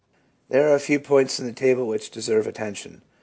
There are a few points in the table which deserve attention.